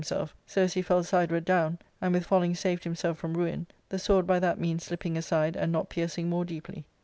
3Pi himself so as he fell sideward down, and with falling saved himself from ruin, the sword by that means slipping aside, and not piercing more deeply.